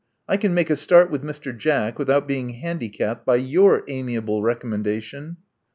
I can make a start with Mr. Jack without being handicapped by your amiable recommendation."